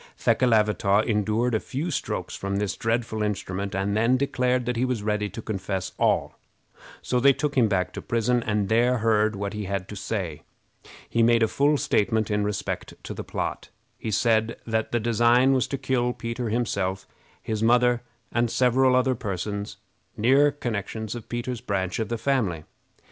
Thekelavitaw endured a few strokes from this dreadful instrument, and then declared that he was ready to confess all; so they took him back to prison and there heard what he had to say. He made a full statement in respect to the plot. He said that the design was to kill Peter himself, his mother, and several other persons, near connections of Peter's branch of the family.